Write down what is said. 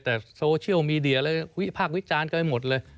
แต่โซเชียลมีเดียภาควิจารณ์กันไปหมดเลย